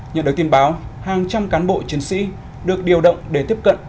nhận được tin báo hàng trăm cán bộ chiến sĩ được điều động để tiếp cận